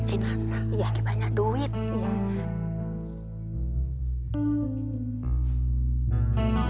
iya banyak duit